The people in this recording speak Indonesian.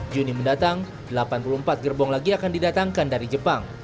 juni mendatang delapan puluh empat gerbong lagi akan didatangkan dari jepang